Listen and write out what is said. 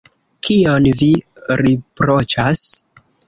Kion vi riproĉas?